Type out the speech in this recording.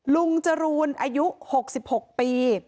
ลุงจรูนอายุ๖๖ปี